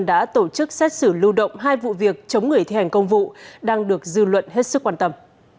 đã tổ chức xét xử lưu động hai vụ việc chống người thi hành công vụ đang được dư luận hết sức quan tâm